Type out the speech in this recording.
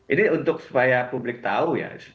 ini untuk supaya publik tahu ya